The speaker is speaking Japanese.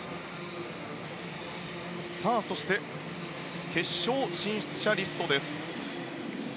そして、決勝進出者リストです。